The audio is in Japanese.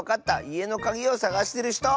いえのかぎをさがしてるひと！